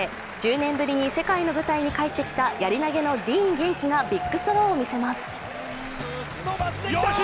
１０年ぶりに世界の舞台に帰ってきたやり投のディーン元気がビッグスローを見せます。